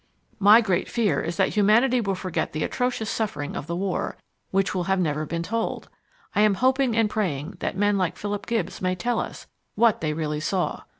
My great fear is that humanity will forget the atrocious sufferings of the war, which have never been told. I am hoping and praying that men like Philip Gibbs may tell us what they really saw.